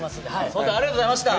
ほんとありがとうございました。